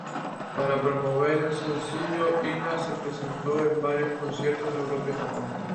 Para promover el sencillo, Inna se presentó en varios conciertos en Europa y Japón.